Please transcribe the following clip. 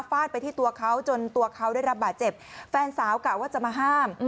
ไปที่ตัวเขาจนตัวเขาได้รับบาดเจ็บแฟนสาวกะว่าจะมาห้าม